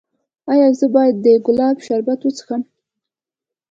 ایا زه باید د ګلاب شربت وڅښم؟